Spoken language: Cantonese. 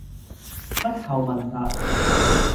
不求聞達